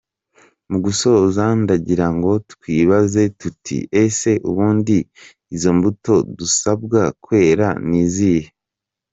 Mu gusoza ndagira ngo twibaze tuti: "Ese ubundi izo mbuto dusabwa kwera ni izihe?".